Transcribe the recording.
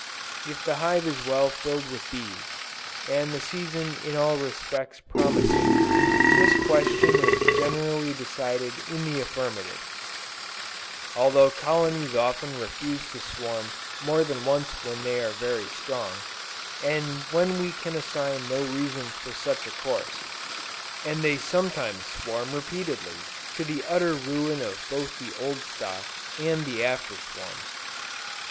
If the hive is well filled with bees, and the season in all respects promising, this question is generally decided in the affirmative; although colonies often refuse to swarm more than once when they are very strong, and when we can assign no reason for such a course; and they sometimes swarm repeatedly, to the utter ruin of both the old stock, and the after swarms.